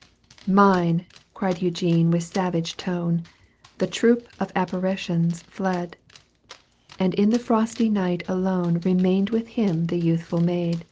Mine !" cried Eugene with savage tone. The troop of apparitions fled. And in the frosty night alone Eemained with him the youthful maid.